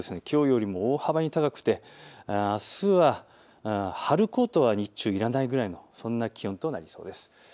きょうよりも大幅に高くてあすは春コートは日中いらないぐらいそんな気温になりそうです。